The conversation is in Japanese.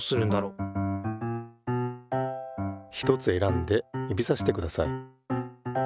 ひとつ選んで指さしてください。